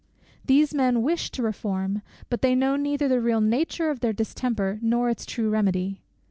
These men wish to reform, but they know neither the real nature of their distemper nor its true remedy.